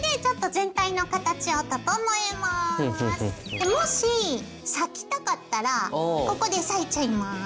でもし裂きたかったらここで裂いちゃいます。